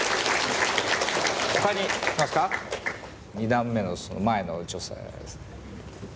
２段目の前の女性。